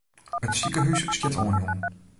It sikehús stiet oanjûn.